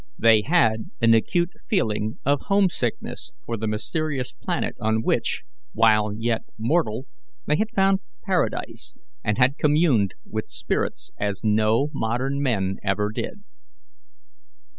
They had an acute feeling of homesickness for the mysterious planet on which, while yet mortal, they had found paradise, and had communed with spirits as no modern men ever did.